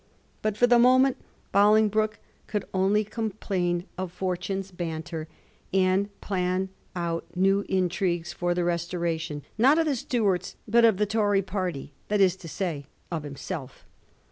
But for the moment Boling broke could only complain of fortune's banter, and plan out new intrigues for the restoration, not of the Stuarts, but of the Tory party — ^that is to say, of himself.